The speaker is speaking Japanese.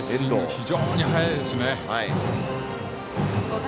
非常に速いですね。